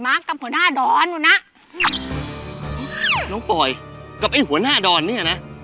ทำปุ๋ยมากกับหัวหน้าดอนดูนะแล้วปล่อยกับไอ้หัวหน้าดอนเนี่ยนะ